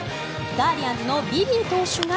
ガーディアンズのビビー投手が